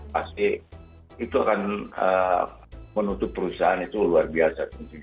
pasti itu akan menutup perusahaan itu luar biasa